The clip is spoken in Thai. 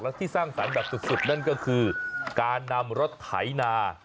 และที่สร้างสรรค์แบบสุดนั่นก็คือการนำรถไถนา